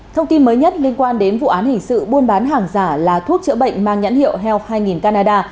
thông tin mới nhất liên quan đến vụ án hình sự buôn bán hàng giả là thuốc chữa bệnh mang nhãn hiệu heal hai canada